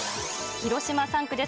広島３区です。